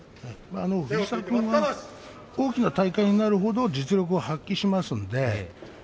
藤澤君は大きな大会になる程、実力を発揮します。